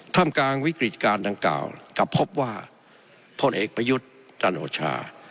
ทำกลางวิกฤติการดังกล่าวกลับพบว่าพลเอกประยุทธ์จันโอชา